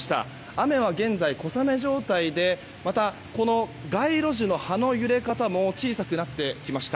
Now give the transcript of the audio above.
雨は現在、小雨状態でまた街路樹の葉の揺れ方も小さくなってきました。